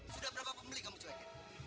sudah berapa pembeli kamu cuekin